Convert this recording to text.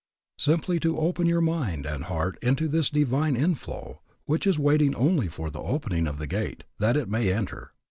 Simply to open your mind and heart to this divine inflow which is waiting only for the opening of the gate, that it may enter.